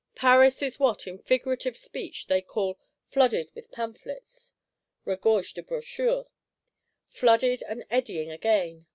Paris is what, in figurative speech, they call "flooded with pamphlets (regorge de brochures);" flooded and eddying again.